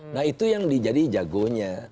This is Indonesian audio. nah itu yang dijadikan jago nya